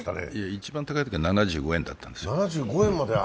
一番高いときは７５円だったんですね。